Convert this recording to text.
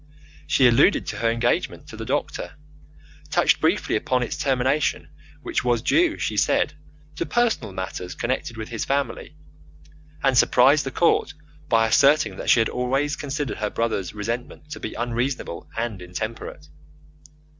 She alluded to her engagement to the doctor, touched briefly upon its termination, which was due, she said, to personal matters connected with his family, and surprised the court by asserting that she had always considered her brother's resentment to be unreasonable and intemperate.